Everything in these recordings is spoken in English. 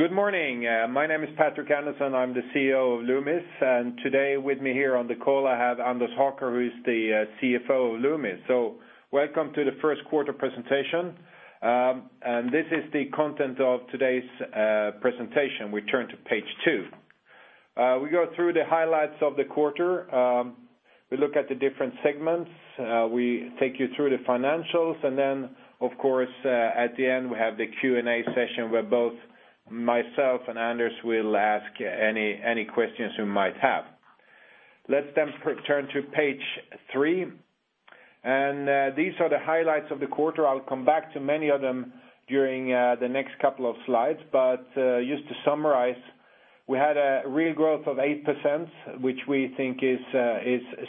Good morning. My name is Patrik Andersson. I am the CEO of Loomis, and today with me here on the call, I have Anders Haker, who is the CFO of Loomis. Welcome to the first quarter presentation. This is the content of today's presentation. We turn to page two. We go through the highlights of the quarter. We look at the different segments. We take you through the financials, and of course, at the end, we have the Q&A session where both myself and Anders will ask any questions you might have. Let's turn to page three, these are the highlights of the quarter. I will come back to many of them during the next couple of slides. Just to summarize, we had a real growth of 8%, which we think is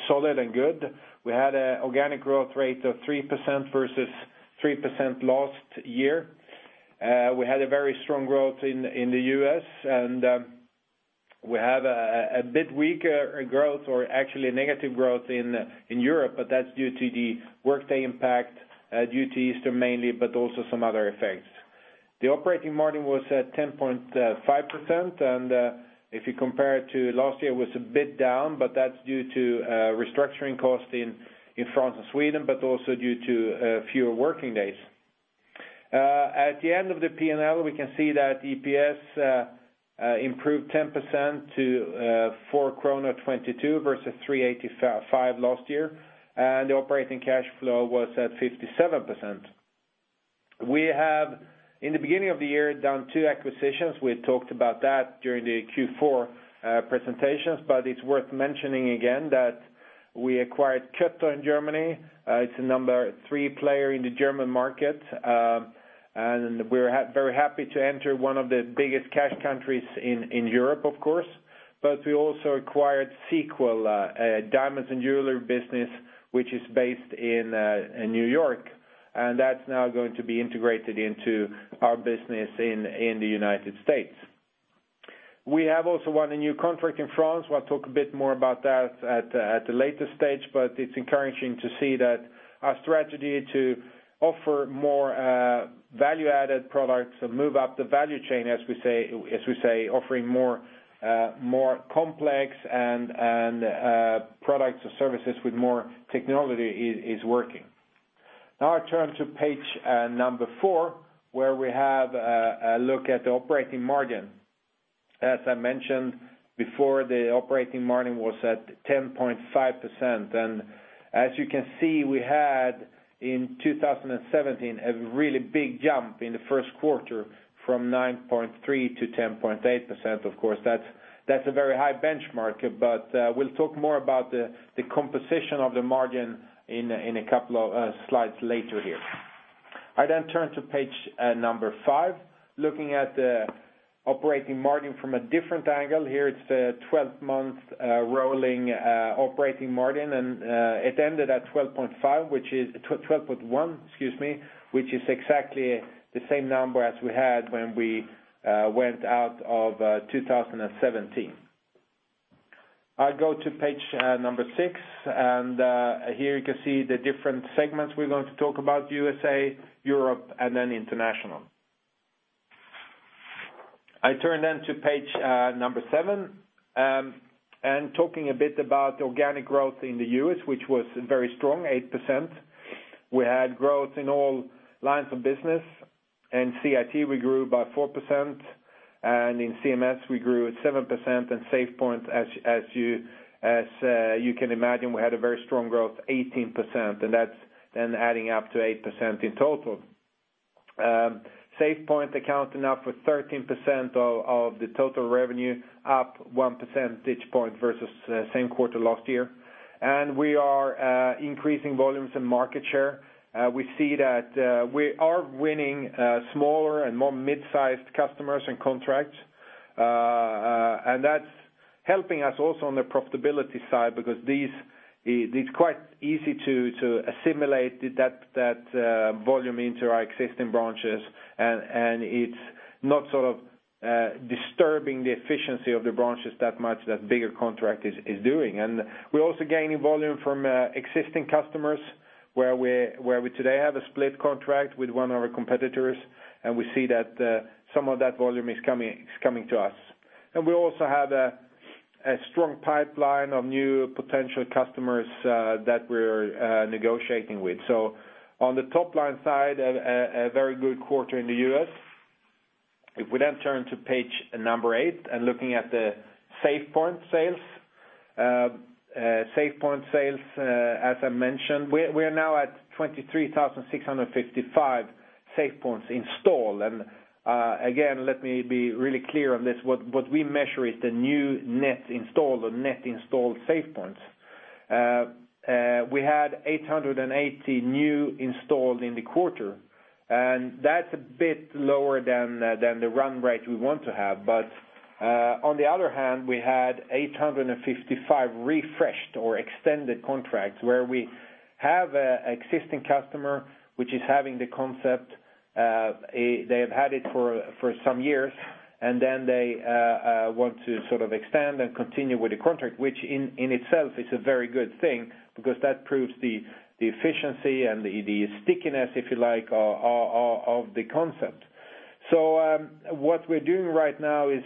solid and good. We had an organic growth rate of 3% versus 3% last year. We had a very strong growth in the U.S., we have a bit weaker growth or actually a negative growth in Europe, that is due to the workday impact due to Easter mainly, also some other effects. The operating margin was at 10.5%, if you compare it to last year, it was a bit down, that is due to restructuring costs in France and Sweden, also due to fewer working days. At the end of the P&L, we can see that EPS improved 10% to 4.22 krona versus 3.85 last year, the operating cash flow was at 57%. We have, in the beginning of the year, done two acquisitions. We talked about that during the Q4 presentations, it is worth mentioning again that we acquired Kötter in Germany. It is the number three player in the German market. We are very happy to enter one of the biggest cash countries in Europe, of course. We also acquired Sequel, a diamonds and jewelry business, which is based in New York, that is now going to be integrated into our business in the United States. We have also won a new contract in France. We will talk a bit more about that at a later stage, it is encouraging to see that our strategy to offer more value-added products and move up the value chain, as we say, offering more complex products or services with more technology, is working. I turn to page four, where we have a look at the operating margin. As I mentioned before, the operating margin was at 10.5%. As you can see, we had in 2017 a really big jump in the first quarter from 9.3% to 10.8%. Of course, that is a very high benchmark, we will talk more about the composition of the margin in a couple of slides later here. I turn to page five, looking at the operating margin from a different angle. Here it is the 12-month rolling operating margin, it ended at 12.5, which is 12.1, excuse me, which is exactly the same number as we had when we went out of 2017. I go to page six, here you can see the different segments we are going to talk about: USA, Europe, international. I turn to page seven, talking a bit about organic growth in the U.S., which was very strong, 8%. We had growth in all lines of business. In CIT, we grew by 4%, in CMS, we grew at 7%, SafePoint, as you can imagine, we had a very strong growth, 18%, and that's then adding up to 8% in total. SafePoint accounting now for 13% of the total revenue, up 1 percentage point versus same quarter last year. We are increasing volumes and market share. We see that we are winning smaller and more mid-sized customers and contracts. That's helping us also on the profitability side because it's quite easy to assimilate that volume into our existing branches, and it's not sort of disturbing the efficiency of the branches that much that bigger contract is doing. We're also gaining volume from existing customers where we today have a split contract with one of our competitors, and we see that some of that volume is coming to us. We also have a strong pipeline of new potential customers that we're negotiating with. On the top-line side, a very good quarter in the U.S. If we then turn to page number eight and looking at the SafePoint sales. SafePoint sales, as I mentioned, we are now at 23,655 SafePoints installed. Again, let me be really clear on this. What we measure is the new net installed or net installed SafePoints. We had 880 new installed in the quarter, that's a bit lower than the run rate we want to have. On the other hand, we had 855 refreshed or extended contracts where we have an existing customer which is having the concept. They have had it for some years, they want to sort of extend and continue with the contract, which in itself is a very good thing because that proves the efficiency and the stickiness, if you like, of the concept. What we're doing right now is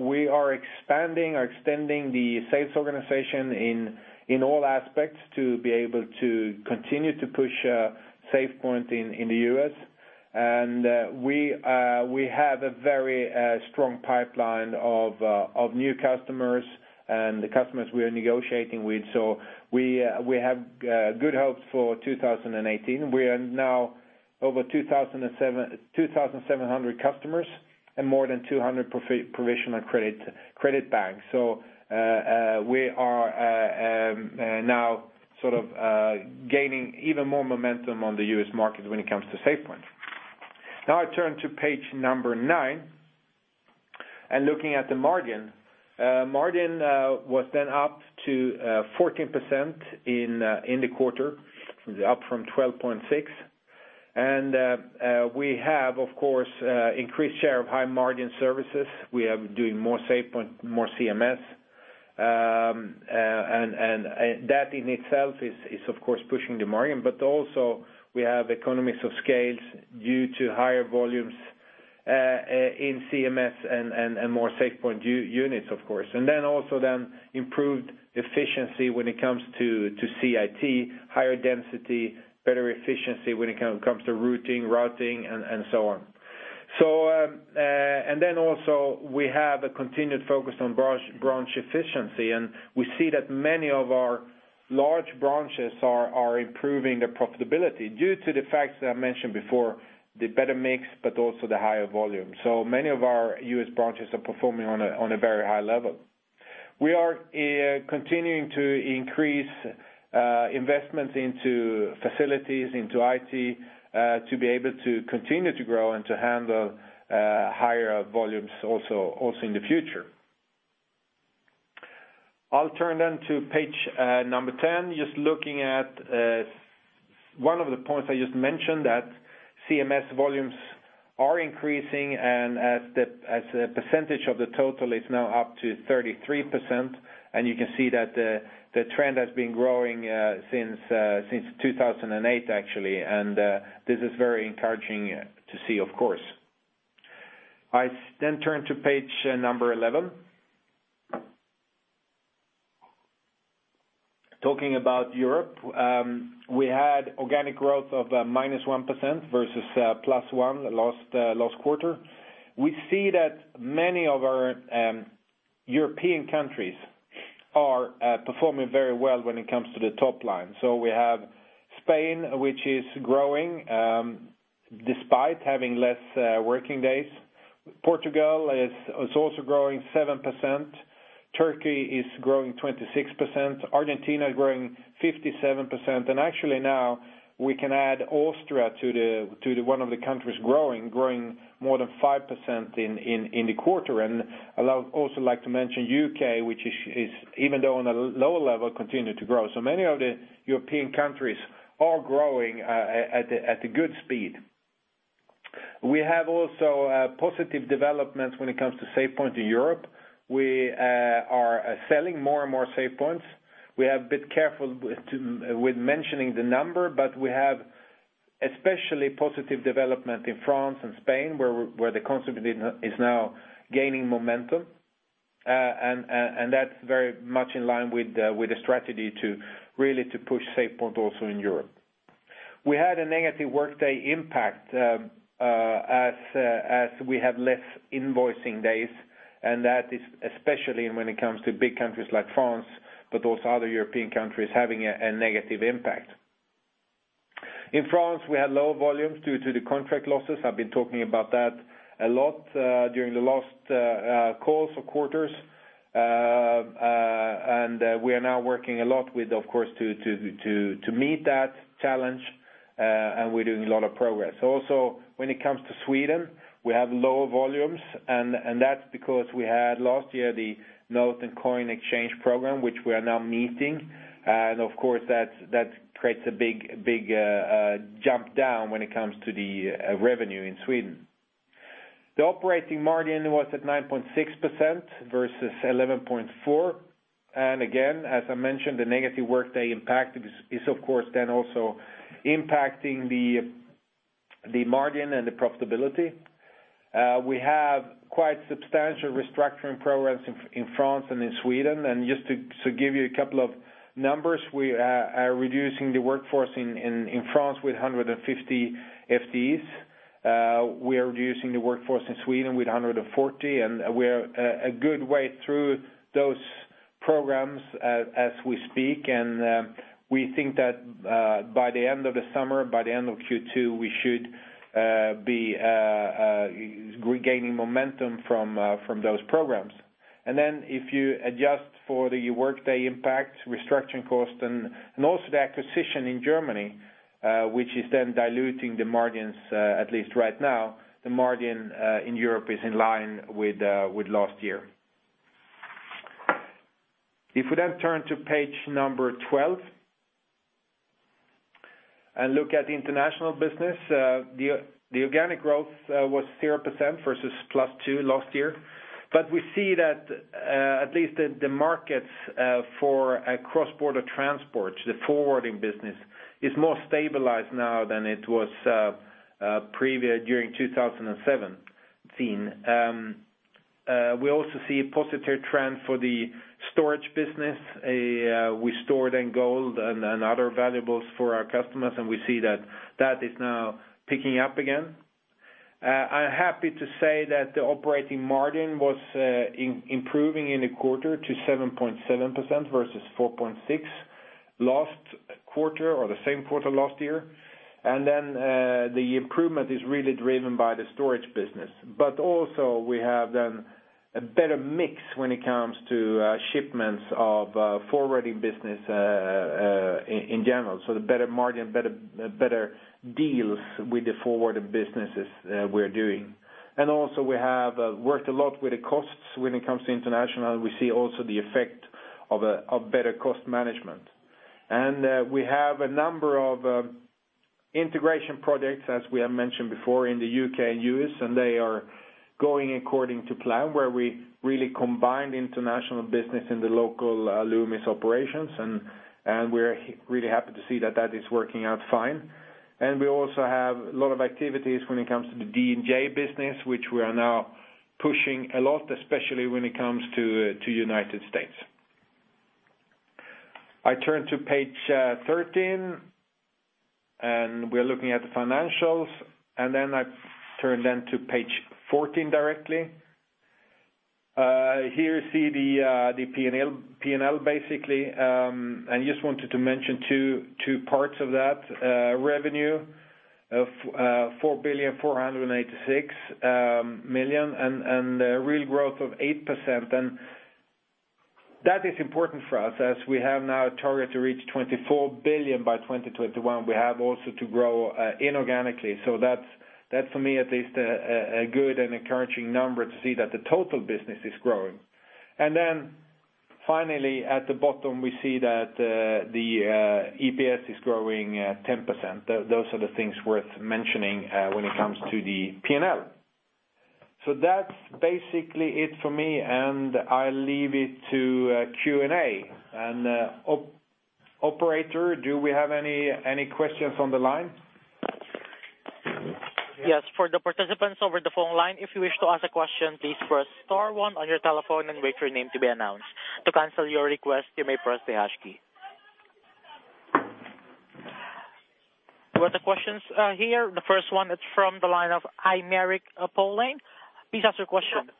we are expanding or extending the sales organization in all aspects to be able to continue to push SafePoint in the U.S. We have a very strong pipeline of new customers and the customers we are negotiating with. We have good hopes for 2018. We are now over 2,700 customers and more than 200 provisional credit banks. We are now gaining even more momentum on the U.S. market when it comes to SafePoint. I turn to page nine, looking at the margin. Margin was then up to 14% in the quarter, up from 12.6%. We have, of course, increased share of high-margin services. We are doing more SafePoint, more CMS, that in itself is of course pushing the margin. Also we have economies of scale due to higher volumes in CMS and more SafePoint units, of course. Also improved efficiency when it comes to CIT, higher density, better efficiency when it comes to routing and so on. Also we have a continued focus on branch efficiency, we see that many of our large branches are improving their profitability due to the facts that I mentioned before, the better mix, but also the higher volume. Many of our U.S. branches are performing on a very high level. We are continuing to increase investments into facilities, into IT, to be able to continue to grow and to handle higher volumes also in the future. I'll turn to page 10, just looking at one of the points I just mentioned, that CMS volumes are increasing, and as a percentage of the total, it's now up to 33%. You can see that the trend has been growing since 2008, actually. This is very encouraging to see, of course. I turn to page 11. Talking about Europe, we had organic growth of minus 1% versus plus 1% last quarter. We see that many of our European countries are performing very well when it comes to the top line. We have Spain, which is growing despite having less working days. Portugal is also growing 7%. Turkey is growing 26%. Argentina is growing 57%. Actually now we can add Austria to one of the countries growing more than 5% in the quarter. I would also like to mention U.K., which is, even though on a lower level, continue to grow. Many of the European countries are growing at a good speed. We have also positive developments when it comes to SafePoint in Europe. We are selling more and more SafePoints. We have been careful with mentioning the number, but we have especially positive development in France and Spain, where the concept is now gaining momentum. That's very much in line with the strategy to really push SafePoint also in Europe. We had a negative workday impact as we have less invoicing days, and that is especially when it comes to big countries like France, but also other European countries having a negative impact. In France, we had lower volumes due to the contract losses. I've been talking about that a lot during the last calls or quarters. We are now working a lot with, of course, to meet that challenge, and we're doing a lot of progress. Also, when it comes to Sweden, we have lower volumes, and that's because we had last year the note and coin exchange program, which we are now meeting. Of course, that creates a big jump down when it comes to the revenue in Sweden. The operating margin was at 9.6% versus 11.4%. Again, as I mentioned, the negative workday impact is of course then also impacting the margin and the profitability. We have quite substantial restructuring programs in France and in Sweden. Just to give you a couple of numbers, we are reducing the workforce in France with 150 FTEs. We are reducing the workforce in Sweden with 140, and we are a good way through those programs as we speak. We think that by the end of the summer, by the end of Q2, we should be regaining momentum from those programs. If you adjust for the workday impact, restructuring cost, and also the acquisition in Germany which is then diluting the margins, at least right now, the margin in Europe is in line with last year. If we turn to page 12 and look at the international business, the organic growth was 0% versus plus 2% last year. We see that at least the markets for cross-border transport, the forwarding business, is more stabilized now than it was during 2017. We also see a positive trend for the storage business. We stored gold and other valuables for our customers, and we see that is now picking up again. I'm happy to say that the operating margin was improving in the quarter to 7.7% versus 4.6% the same quarter last year. The improvement is really driven by the storage business. Also we have a better mix when it comes to shipments of forwarding business in general. The better margin, better deals with the forwarded businesses we're doing. Also we have worked a lot with the costs when it comes to international, we see also the effect of better cost management. We have a number of integration projects as we have mentioned before in the U.K. and U.S., and they are going according to plan where we really combined international business in the local Loomis operations and we're really happy to see that is working out fine. We also have a lot of activities when it comes to the D&J business which we are now pushing a lot especially when it comes to United States. I turn to page 13, we are looking at the financials, I turn to page 14 directly. Here you see the P&L basically, just wanted to mention two parts of that revenue of 4,486,000,000 and a real growth of 8%. That is important for us as we have now a target to reach 24 billion by 2021. We have also to grow inorganically so that for me at least a good and encouraging number to see that the total business is growing. Finally at the bottom we see that the EPS is growing at 10%. Those are the things worth mentioning when it comes to the P&L. That's basically it for me and I leave it to Q&A. Operator do we have any questions on the line? Yes. For the participants over the phone line, if you wish to ask a question please press star one on your telephone and wait for your name to be announced. To cancel your request, you may press the hash key. We've got the questions here. The first one is from the line of Aymeric Poulain. Please ask your question.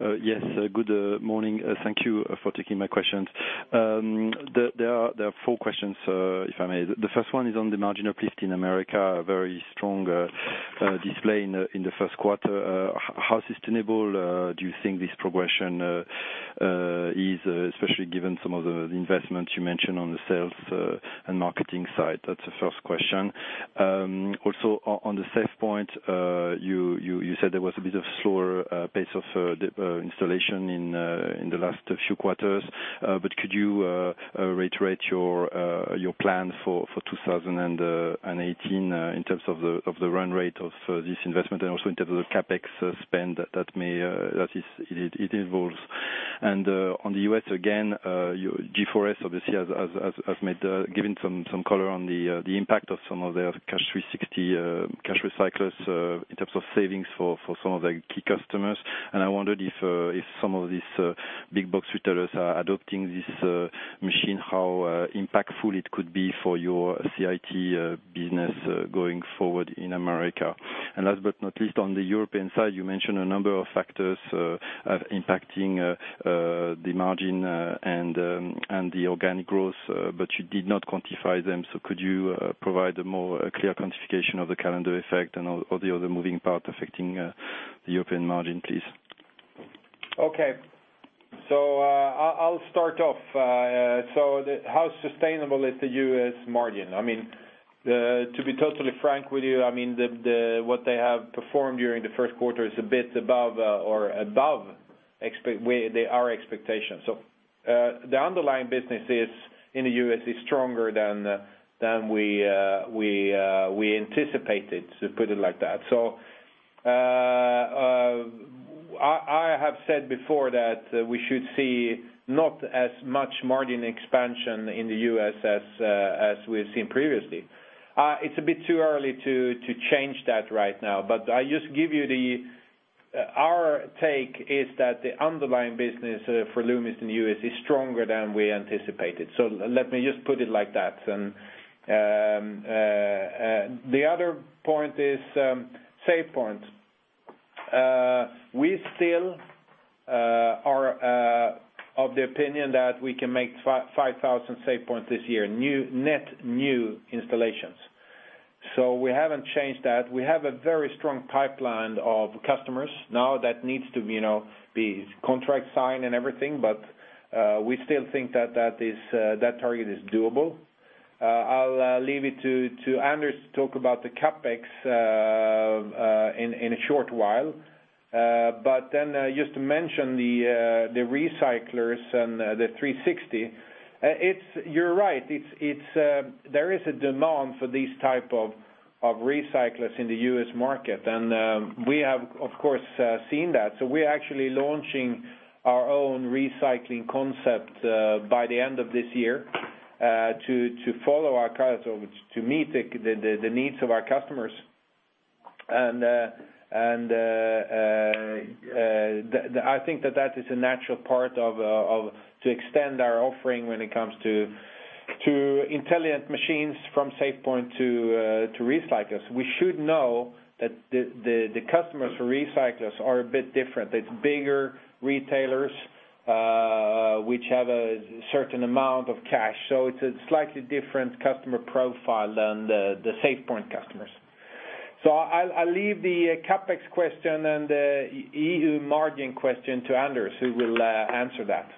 Yes, good morning. Thank you for taking my questions. There are four questions, if I may. The first one is on the margin uplift in the U.S., very strong display in the first quarter. How sustainable do you think this progression is, especially given some of the investments you mentioned on the sales and marketing side? That's the first question. Also on the SafePoint, you said there was a bit of slower pace of installation in the last few quarters. Could you reiterate your plan for 2018 in terms of the run rate of this investment and also in terms of the CapEx spend that it involves. On the U.S. again, G4S obviously has given some color on the impact of some of their CASH360 cash recyclers in terms of savings for some of their key customers. I wondered if some of these big box retailers are adopting this machine, how impactful it could be for your CIT business going forward in the U.S. Last but not least on the European side, you mentioned a number of factors impacting the margin and the organic growth. You did not quantify them, so could you provide a more clear quantification of the calendar effect and all the other moving parts affecting the European margin please? Okay. I'll start off. How sustainable is the U.S. margin? To be totally frank with you, what they have performed during the first quarter is a bit above our expectation. The underlying business in the U.S. is stronger than we anticipated to put it like that. I have said before that we should see not as much margin expansion in the U.S. as we've seen previously. It's a bit too early to change that right now, our take is that the underlying business for Loomis in the U.S. is stronger than we anticipated. Let me just put it like that. The other point is SafePoints. We still are of the opinion that we can make 5,000 SafePoints this year, net new installations. We haven't changed that. We have a very strong pipeline of customers now that needs to be contract signed and everything, we still think that target is doable. I'll leave it to Anders to talk about the CapEx in a short while. Just to mention the recyclers and the 360, you're right, there is a demand for these type of recyclers in the U.S. market and we have of course seen that, so we are actually launching our own recycling concept by the end of this year to follow our customers, to meet the needs of our customers. I think that is a natural part to extend our offering when it comes to intelligent machines from SafePoint to recyclers. We should know that the customers for recyclers are a bit different. It's bigger retailers, which have a certain amount of cash. It's a slightly different customer profile than the SafePoint customers. I'll leave the CapEx question and the EU margin question to Anders, who will answer that.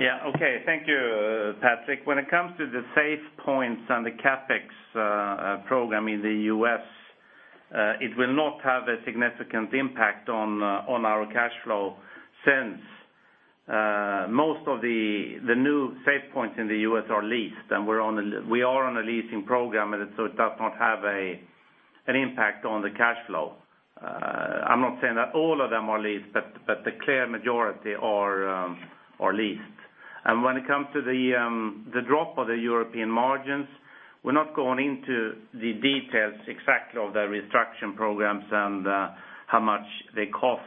Yeah. Okay. Thank you, Patrik. When it comes to the SafePoints and the CapEx program in the U.S., it will not have a significant impact on our cash flow since most of the new SafePoints in the U.S. are leased, we are on a leasing program, it does not have an impact on the cash flow. I'm not saying that all of them are leased, but the clear majority are leased. When it comes to the drop of the European margins, we're not going into the details exactly of the restructuring programs and how much they cost.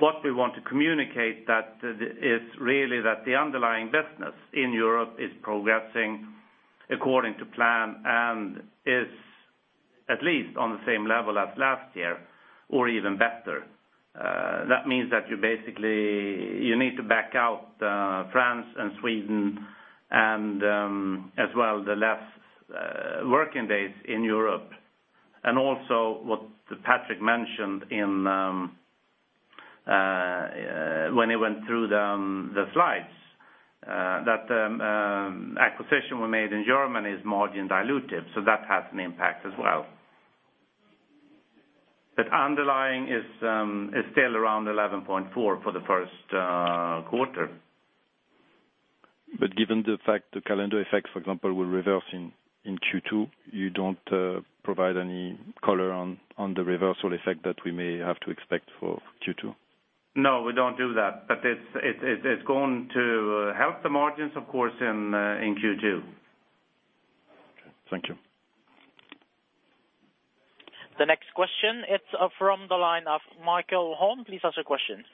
What we want to communicate is really that the underlying business in Europe is progressing according to plan and is at least on the same level as last year or even better. That means that you basically need to back out France and Sweden and as well the less working days in Europe. Also what Patrik mentioned when he went through the slides, that acquisition we made in Germany is margin dilutive, that has an impact as well. Underlying is still around 11.4% for the first quarter. Given the fact the calendar effects, for example, will reverse in Q2, you don't provide any color on the reversal effect that we may have to expect for Q2? No, we don't do that, but it's going to help the margins, of course, in Q2. Okay, thank you. The next question, it's from the line of Michael Holm. Please ask your question.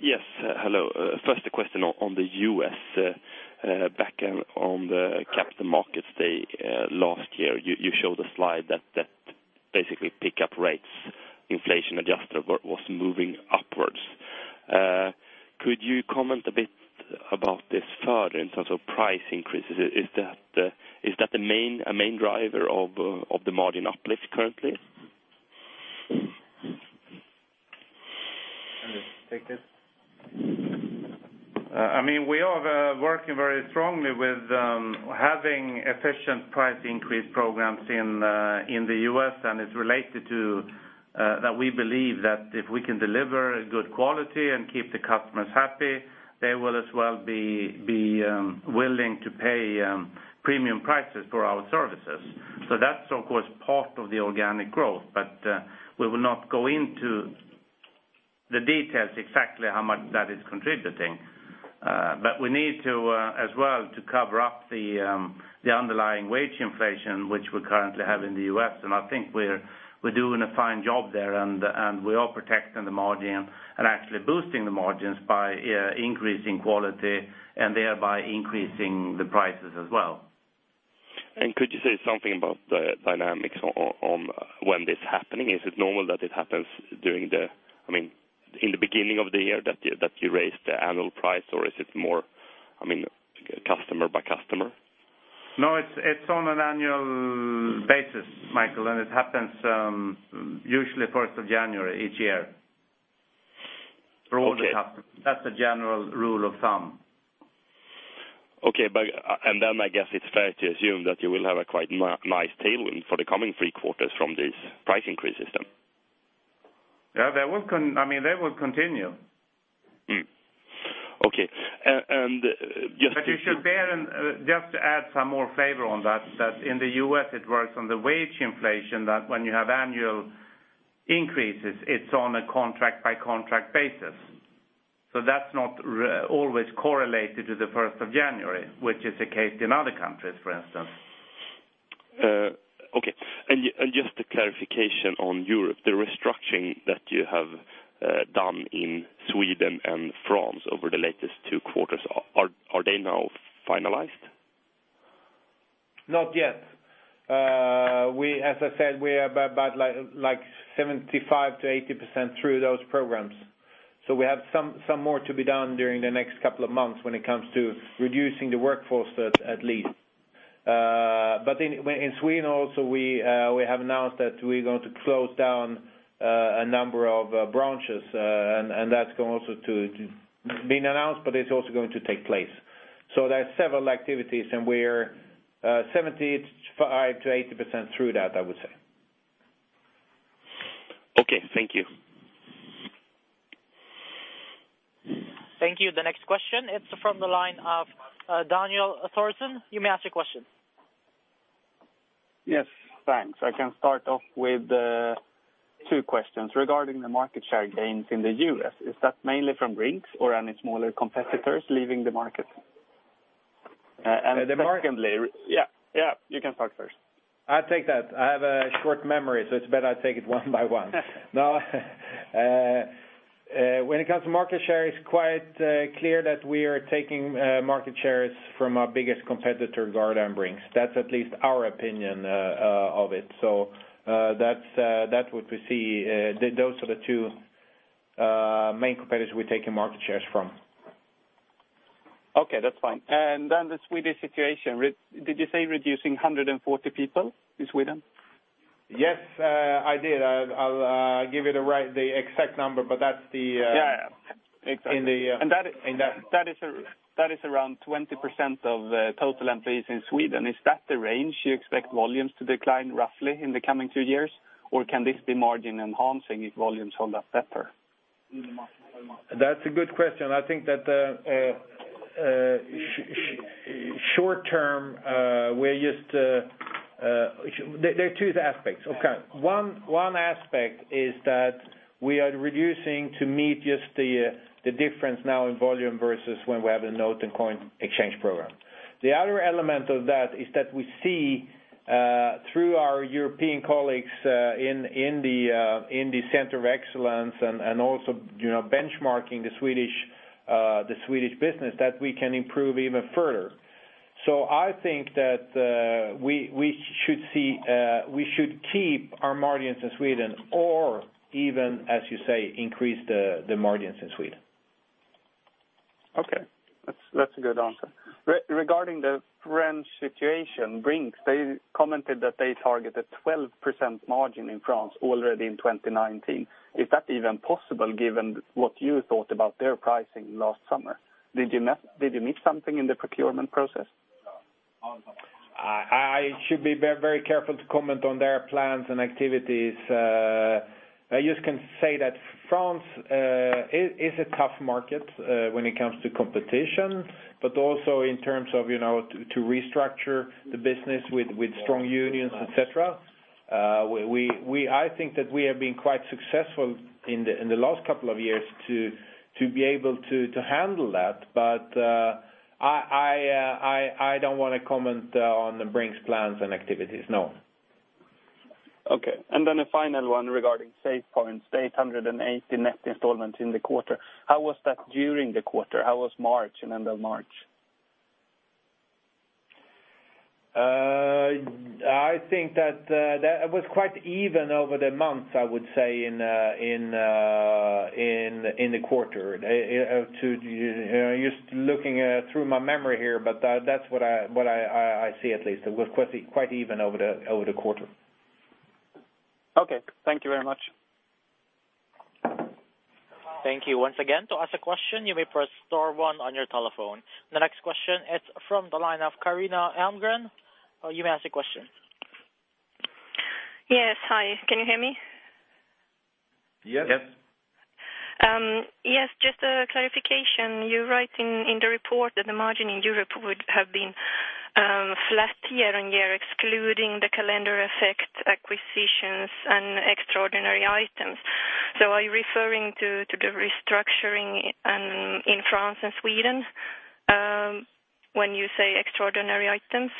Yes, hello. First, a question on the U.S. Back on the Capital Markets Day last year, you showed a slide that basically pick-up rates, inflation-adjusted was moving upwards. Could you comment a bit about this further in terms of price increases? Is that a main driver of the margin uplift currently? Anders, take it. We are working very strongly with having efficient price increase programs in the U.S., it's related to that we believe that if we can deliver good quality and keep the customers happy, they will as well be willing to pay premium prices for our services. That's, of course, part of the organic growth, we will not go into the details exactly how much that is contributing. We need to as well to cover up the underlying wage inflation which we currently have in the U.S., and I think we're doing a fine job there. We are protecting the margin and actually boosting the margins by increasing quality and thereby increasing the prices as well. Could you say something about the dynamics on when this is happening? Is it normal that it happens in the beginning of the year that you raise the annual price, or is it more customer by customer? No, it's on an annual basis, Michael, it happens usually 1st of January each year. Okay. For all the customers. That's a general rule of thumb. Okay. I guess it's fair to assume that you will have a quite nice tailwind for the coming three quarters from this price increase system. Yeah, that will continue. Okay. You should bear and just to add some more flavor on that in the U.S. it works on the wage inflation that when you have annual increases, it's on a contract-by-contract basis. That's not always correlated to the 1st of January, which is the case in other countries, for instance. Okay. Just a clarification on Europe, the restructuring that you have done in Sweden and France over the latest two quarters, are they now finalized? Not yet. As I said, we are about 75%-80% through those programs. We have some more to be done during the next couple of months when it comes to reducing the workforce at least. In Sweden also, we have announced that we're going to close down a number of branches, and that's been announced, but it's also going to take place. There are several activities, and we're 75%-80% through that, I would say. Okay. Thank you. Thank you. The next question, it is from the line of Daniel Thornton. You may ask your question. Yes. Thanks. I can start off with two questions regarding the market share gains in the U.S. Is that mainly from Brinks or any smaller competitors leaving the market? Secondly, Yeah, you can talk first. I will take that. I have a short memory, so it is better I take it one by one. No. When it comes to market share, it is quite clear that we are taking market shares from our biggest competitor, G4S and Brinks. That is at least our opinion of it. That is what we see. Those are the two main competitors we are taking market shares from. Okay, that is fine. Then the Swedish situation. Did you say reducing 140 people in Sweden? Yes, I did. I'll give you the exact number. Yeah. In the- That is around 20% of total employees in Sweden. Is that the range you expect volumes to decline roughly in the coming two years? Or can this be margin-enhancing if volumes hold up better? That's a good question. I think that short-term, there are two aspects. One aspect is that we are reducing to meet just the difference now in volume versus when we have the note and coin exchange program. The other element of that is that we see through our European colleagues in the center of excellence and also benchmarking the Swedish business, that we can improve even further. I think that we should keep our margins in Sweden, or even, as you say, increase the margins in Sweden. Okay. That's a good answer. Regarding the French situation, Brinks, they commented that they targeted 12% margin in France already in 2019. Is that even possible given what you thought about their pricing last summer? Did you miss something in the procurement process? I should be very careful to comment on their plans and activities. I just can say that France is a tough market when it comes to competition, but also in terms of to restructure the business with strong unions, et cetera. I think that we have been quite successful in the last couple of years to be able to handle that. I don't want to comment on the Brinks plans and activities, no. Okay, a final one regarding SafePoint, the 880 net installment in the quarter. How was that during the quarter? How was March and end of March? I think that it was quite even over the months, I would say, in the quarter. Just looking through my memory here, that's what I see at least. It was quite even over the quarter. Okay. Thank you very much. Thank you once again. To ask a question, you may press star one on your telephone. The next question, it is from the line of Karina Almgren. You may ask your question. Yes. Hi, can you hear me? Yes. Yes, just a clarification. You are writing in the report that the margin in Europe would have been flat year-on-year, excluding the calendar effect, acquisitions and extraordinary items. Are you referring to the restructuring in France and Sweden when you say extraordinary items?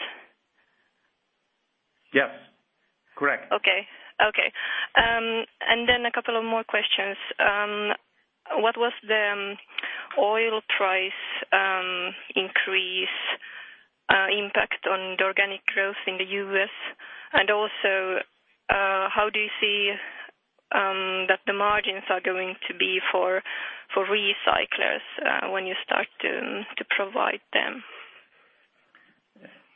Yes. Correct. Okay. Then a couple of more questions. What was the oil price increase impact on the organic growth in the U.S., also, how do you see that the margins are going to be for recyclers when you start to provide them?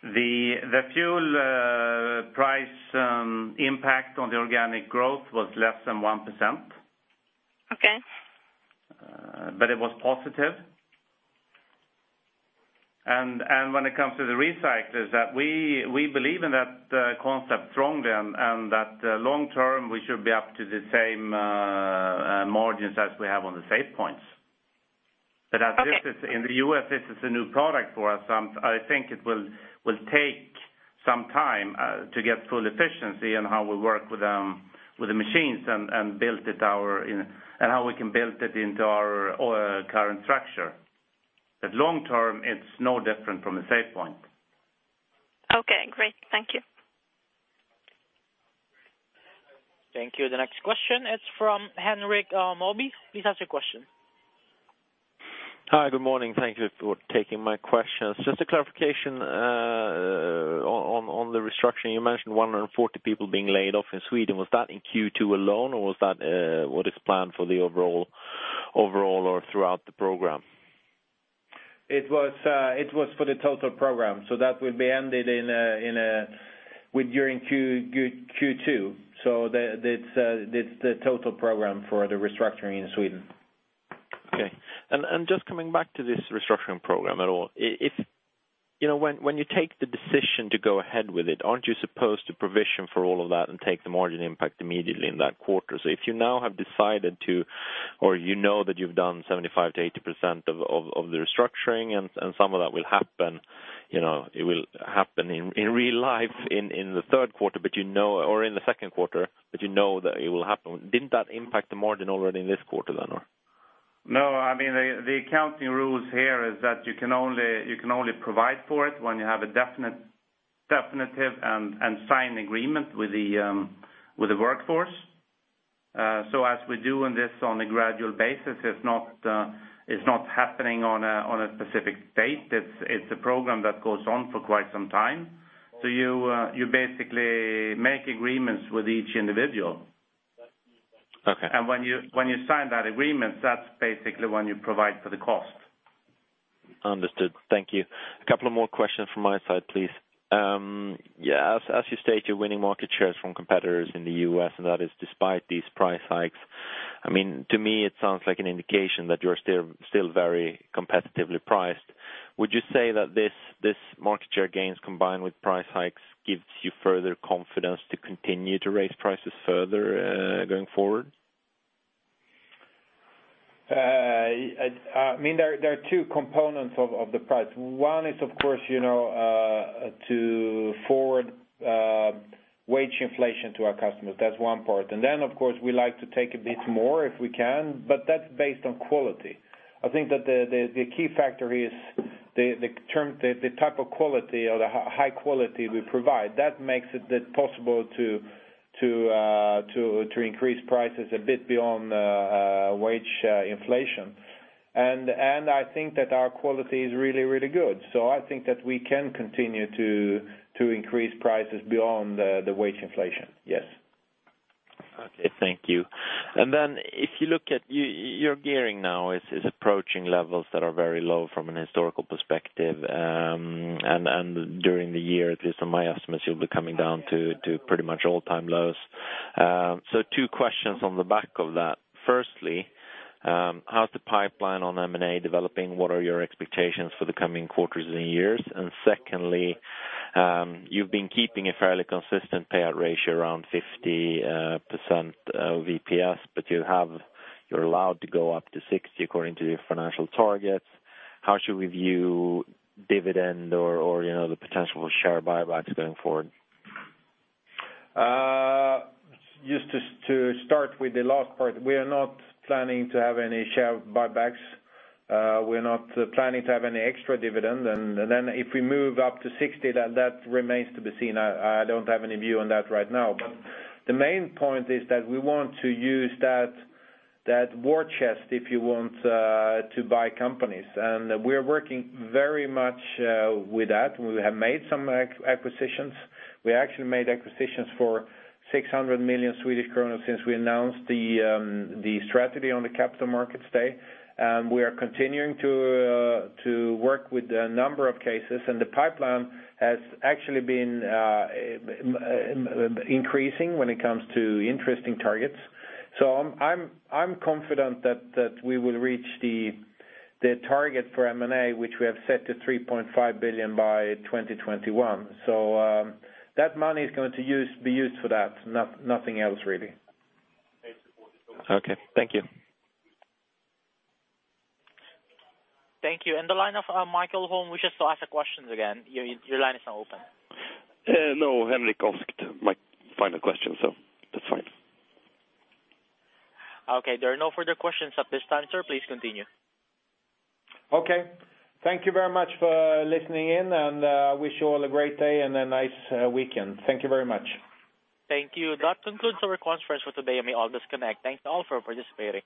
The fuel price impact on the organic growth was less than 1%. Okay. It was positive. When it comes to the recyclers, we believe in that concept strongly, that long-term, we should be up to the same margins as we have on the SafePoint. Okay. In the U.S., this is a new product for us. I think it will take some time to get full efficiency in how we work with the machines and how we can build it into our current structure. Long-term, it's no different from the SafePoint. Okay, great. Thank you. Thank you. The next question is from Henrik Moby. Please ask your question. Hi. Good morning. Thank you for taking my questions. Just a clarification on the restructuring. You mentioned 140 people being laid off in Sweden. Was that in Q2 alone, or was that what is planned for the overall or throughout the program? It was for the total program. That will be ended during Q2. That's the total program for the restructuring in Sweden. Okay. Just coming back to this restructuring program at all, when you take the decision to go ahead with it, aren't you supposed to provision for all of that and take the margin impact immediately in that quarter? If you now have decided to, or you know that you've done 75%-80% of the restructuring and some of that will happen in real life in the third quarter, or in the second quarter, but you know that it will happen. Didn't that impact the margin already in this quarter then? No, I mean, the accounting rules here is that you can only provide for it when you have a definitive and signed agreement with the workforce. As we do on this on a gradual basis, it's not happening on a specific date. It's a program that goes on for quite some time. You basically make agreements with each individual. Okay. When you sign that agreement, that's basically when you provide for the cost. Understood. Thank you. A couple of more questions from my side, please. As you state, you're winning market shares from competitors in the U.S., and that is despite these price hikes. To me, it sounds like an indication that you're still very competitively priced. Would you say that these market share gains combined with price hikes gives you further confidence to continue to raise prices further going forward? There are two components of the price. One is, of course, to forward wage inflation to our customers. That's one part. Of course, we like to take a bit more if we can, but that's based on quality. I think that the key factor is the type of quality or the high quality we provide, that makes it possible to increase prices a bit beyond wage inflation. I think that our quality is really good, so I think that we can continue to increase prices beyond the wage inflation. Yes. Okay, thank you. If you look at your gearing now is approaching levels that are very low from an historical perspective. During the year, at least on my estimates, you'll be coming down to pretty much all-time lows. Two questions on the back of that. Firstly, how's the pipeline on M&A developing? What are your expectations for the coming quarters and years? Secondly, you've been keeping a fairly consistent payout ratio around 50% of EPS, but you're allowed to go up to 60 according to your financial targets. How should we view dividend or the potential for share buybacks going forward? Just to start with the last part, we are not planning to have any share buybacks. We're not planning to have any extra dividend. If we move up to 60, that remains to be seen. I don't have any view on that right now. The main point is that we want to use that war chest, if you want, to buy companies. We are working very much with that. We have made some acquisitions. We actually made acquisitions for 600 million Swedish kronor since we announced the strategy on the Capital Markets Day. We are continuing to work with a number of cases, and the pipeline has actually been increasing when it comes to interesting targets. I'm confident that we will reach the target for M&A, which we have set to 3.5 billion by 2021. That money is going to be used for that, nothing else really. Okay. Thank you. Thank you. The line of Michael Holm wishes to ask a question again. Your line is now open. No, Henrik asked my final question, so that's fine. Okay, there are no further questions at this time, sir. Please continue. Okay. Thank you very much for listening in. I wish you all a great day and a nice weekend. Thank you very much. Thank you. That concludes our conference for today. You may all disconnect. Thanks all for participating.